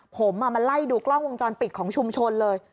ผมมาไล่ดูกล้องวงจรปิดของชุมชนเลย